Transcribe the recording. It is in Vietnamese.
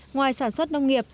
ngoài sản xuất nông nghiệp